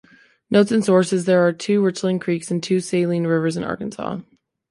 Notes and sources: There are two Richland Creeks and two Saline Rivers in Arkansas.